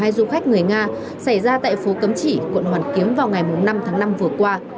tài xế của hai du khách người nga xảy ra tại phố cấm chỉ quận hoàn kiếm vào ngày năm tháng năm vừa qua